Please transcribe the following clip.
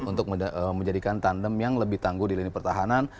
untuk menjadikan tandem yang lebih tangguh di lini pertahanan